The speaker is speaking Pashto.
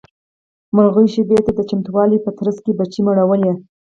مرغيو شپې ته د چمتووالي په ترڅ کې بچي مړول.